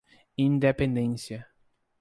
Independência